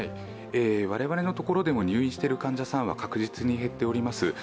我々のところでも入院している患者さんは確実に減っております。